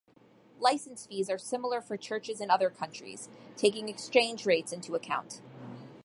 License fees are similar for churches in other countries, taking exchange rates into account.